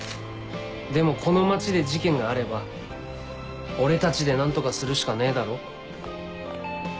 でもこの町で事件があれば俺たちで何とかするしかねえだろ。